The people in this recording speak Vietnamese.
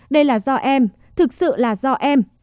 đây là do em thực sự là do em